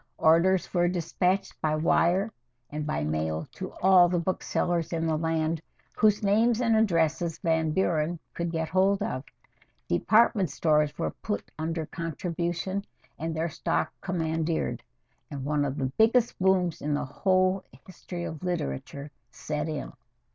Orders were despatched by wire and by mail to all the booksellers in the land whose names and addresses Van Buren could get hold of. Department stores were put under contribution and their stock commandeered, and one of the biggest booms in the whole history of literature set in.